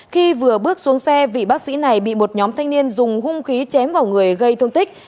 khi vừa bước xuống xe vị bác sĩ này bị một nhóm thanh niên dùng hung khí chém vào người gây thương tích